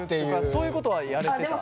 そういうことはやれてた？